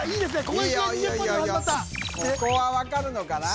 ここは分かるのかな？